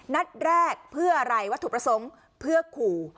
นัดแรกเพื่ออะไรวัตถุประสงค์เพื่อขู่